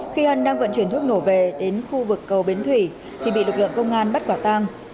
khi hân đang vận chuyển thuốc nổ về đến khu vực cầu bến thủy thì bị lực lượng công an bắt quả tang